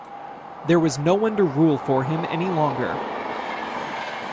There was no one to rule for him any longer.